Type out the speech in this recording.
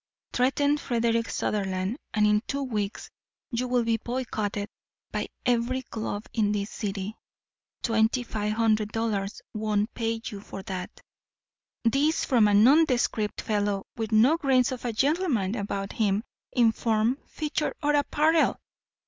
Threaten Frederick Sutherland and in two weeks you will be boycotted by every club in this city. Twenty five hundred dollars won't pay you for that." This from a nondescript fellow with no grains of a gentleman about him in form, feature, or apparel!